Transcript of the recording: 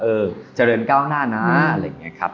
เออเจริญก้าวหน้านะ